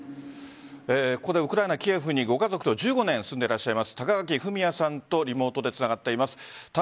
ここでウクライナ・キエフにご家族と１５年住んでいらっしゃいます高垣典哉さんとリモートでつながっています。